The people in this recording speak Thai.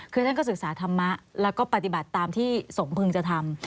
คือท่านก็ศึกษาธรรมะแล้วก็ปฏิบัติตามที่สงฆ์พึงจะทำ